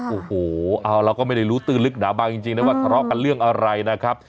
โอ้โหเอาเราก็ไม่ได้รู้ตื้นลึกหนาบางจริงนะว่าทะเลาะกันเรื่องอะไรนะครับ